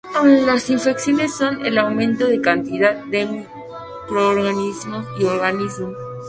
Las infecciones son el aumento de la cantidad de microorganismos en el organismo.